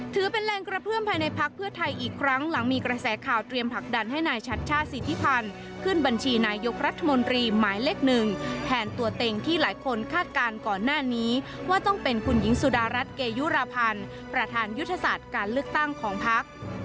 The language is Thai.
ถือเป็นแรงกระเพื่อมภายในพักเพื่อไทยอีกครั้งหลังมีกระแสข่าวเตรียมผลักดันให้นายชัชชาติสิทธิพันธ์ขึ้นบัญชีนายกรัฐมนตรีหมายเลขหนึ่งแทนตัวเต็งที่หลายคนคาดการณ์ก่อนหน้านี้ว่าต้องเป็นคุณหญิงสุดารัฐเกยุรพันธ์ประธานยุทธศาสตร์การเลือกตั้งของพัก